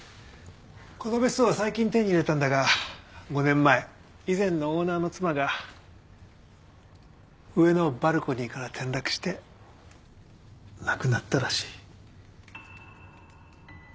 この別荘は最近手に入れたんだが５年前以前のオーナーの妻が上のバルコニーから転落して亡くなったらしい。